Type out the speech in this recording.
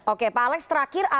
oke pak alex terakhir